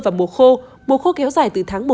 vào mùa khô mùa khô kéo dài từ tháng một